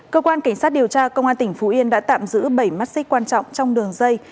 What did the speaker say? cơ quan cảnh sát điều tra công an tỉnh phú yên đã tạm giữ bảy mắt xích quan trọng trong đường dây